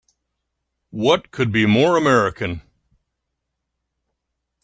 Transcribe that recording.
What could be more American!